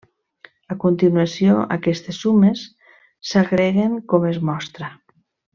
A continuació aquestes sumes s'agreguen, com es mostra.